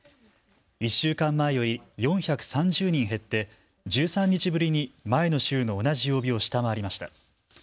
１週間前より４３０人減って１３日ぶりに前の週の同じ曜日を下回りました。